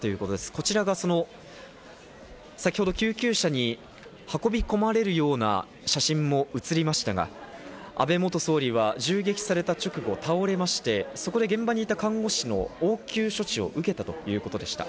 こちらがその先ほど救急車に運び込まれるような写真も映りましたが、安倍元総理は銃撃された直後、倒れまして、そこで現場にいた看護師の応急処置を受けたということでした。